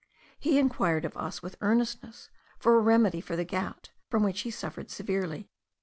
He inquired of us with earnestness for a remedy for the gout, from which he suffered severely.